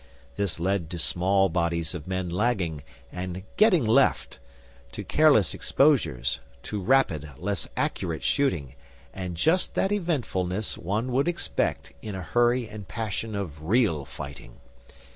This led to small bodies of men lagging and "getting left," to careless exposures, to rapid, less accurate shooting, and just that eventfulness one would expect in the hurry and passion of real fighting.